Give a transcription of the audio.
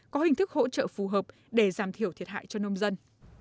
có hình thức hỗ trợ phù hợp để giảm thiểu thiệt hại cho nông dân